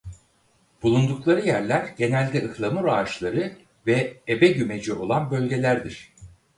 Bulundukları yerler genelde ıhlamur ağaçları ve ebegümeci olan bölgelerdir.